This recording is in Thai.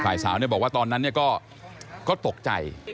สาวบอกว่าตอนนั้นก็ตกใจ